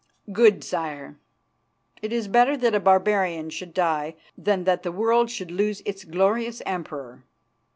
"Good, Sire. It is better that a barbarian should die than that the world should lose its glorious Emperor.